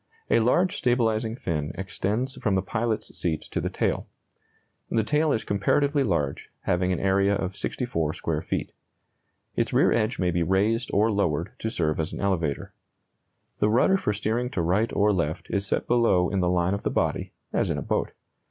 A large stabilizing fin extends from the pilot's seat to the tail. The tail is comparatively large, having an area of 64 square feet. Its rear edge may be raised or lowered to serve as an elevator. The rudder for steering to right or left is set below in the line of the body, as in a boat.